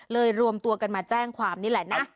รวมตัวกันมาแจ้งความนี่แหละนะ